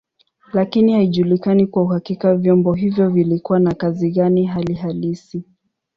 Lakini haijulikani kwa uhakika vyombo hivyo vilikuwa na kazi gani hali halisi.